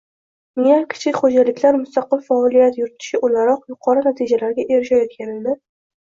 minglab kichik xo‘jaliklar mustaqil faoliyat yuritishi o‘laroq yuqori natijalarga erishayotganini